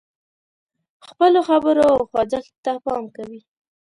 خپلو خبرو او خوځښت ته پام کوي.